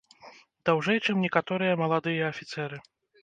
Даўжэй, чым некаторыя маладыя афіцэры.